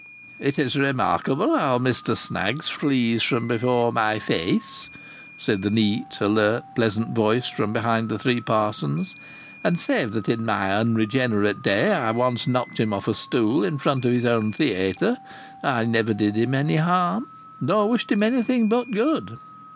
"It is remarkable how Mr Snaggs flees from before my face," said a neat, alert, pleasant voice from behind the three parsons. "And yet save that in my unregenerate day I once knocked him off a stool in front of his own theayter, I never did him harm nor wished him anything but good....